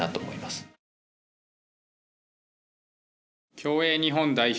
競泳日本代表